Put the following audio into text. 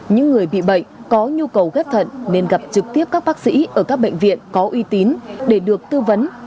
những người bị bệnh có nhu cầu ghép thận nên gặp trực tiếp các bác sĩ ở các bệnh viện có uy tín để được tư vấn